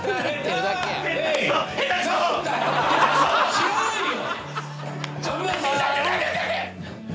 知らないよ！